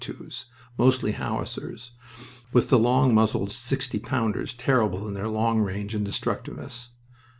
2's, mostly howitzers, with the long muzzled sixty pounders terrible in their long range and destructiveness.